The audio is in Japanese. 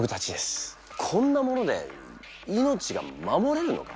こんなもので命が守れるのか！？